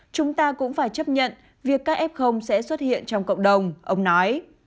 chúng ta cũng phải chấp nhận việc các f sẽ xuất hiện trong cộng đồng ông nói